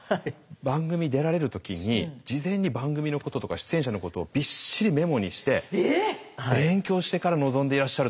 番組出られる時に事前に番組のこととか出演者のことをびっしりメモにして勉強してから臨んでいらっしゃると。